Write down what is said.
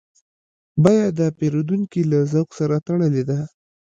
بیه د پیرودونکي له ذوق سره تړلې ده.